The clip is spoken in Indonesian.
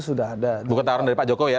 sudah ada bukan tawaran dari pak jokowi ya